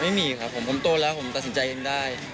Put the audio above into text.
ไม่มีครับผมผมโตแล้วผมตัดสินใจเองได้